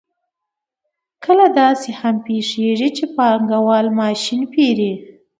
کله داسې هم پېښېږي چې پانګوال ماشین پېري